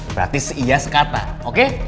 berarti seiya sekata oke